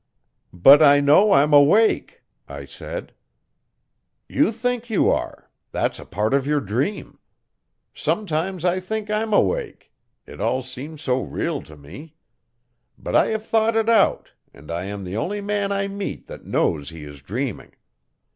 'But I know I'm awake,' I said. 'You think you are that's a part of your dream. Sometimes I think I'm awake it all seems so real to me. But I have thought it out, and I am the only man I meet that knows he is dreaming.